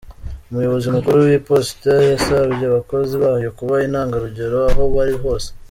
Umuyobozi Mukuru w'Iposita yasabye abakozi bayo kuba intangarugero aho bari hose.